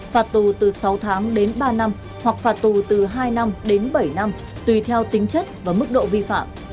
phạt tù từ sáu tháng đến ba năm hoặc phạt tù từ hai năm đến bảy năm tùy theo tính chất và mức độ vi phạm